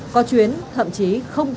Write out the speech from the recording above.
có chuyến thậm chí không được